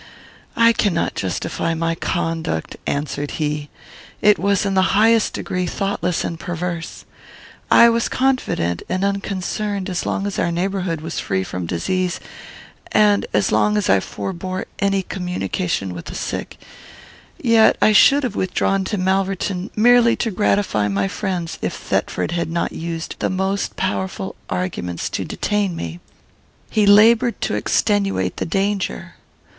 "I cannot justify my conduct," answered he. "It was in the highest degree thoughtless and perverse. I was confident and unconcerned as long as our neighbourhood was free from disease, and as long as I forbore any communication with the sick; yet I should have withdrawn to Malverton, merely to gratify my friends, if Thetford had not used the most powerful arguments to detain me. He laboured to extenuate the danger.